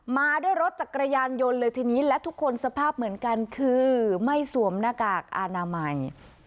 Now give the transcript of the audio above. มาด้วยรถจักรยานยนต์เลยทีนี้และทุกคนสภาพเหมือนกันคือไม่สวมหน้ากากอนามัย